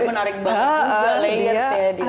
jadi menarik banget juga